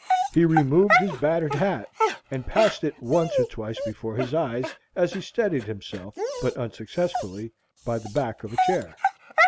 He removed his battered hat, and passed it once or twice before his eyes, as he steadied himself, but unsuccessfully, by the back of a chair.